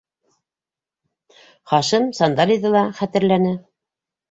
Хашим сандалиҙы ла хәтерләне.